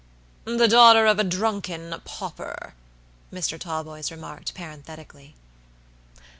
"The daughter of a drunken pauper," Mr. Talboys remarked, parenthetically.